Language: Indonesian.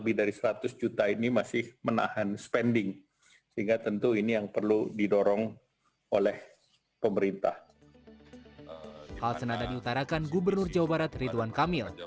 hal senada diutarakan gubernur jawa barat ridwan kamil